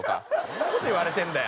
そんな事言われてんだよ。